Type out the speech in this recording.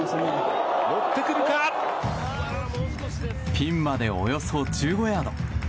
ピンまでおよそ１５ヤード。